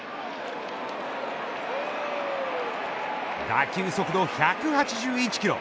打球速度１８１キロ。